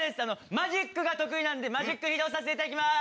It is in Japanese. マジックが得意なんでマジック披露させていただきます。